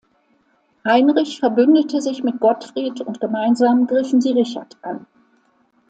Heinrich verbündete sich mit Gottfried und gemeinsam griffen sie Richard an.